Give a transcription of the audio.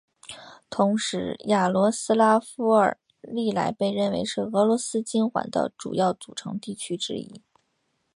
同时雅罗斯拉夫尔历来被认为是俄罗斯金环的主要组成地区之一。